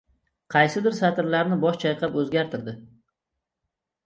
Qaysidir satrlarni bosh chayqab o’zgartirdi.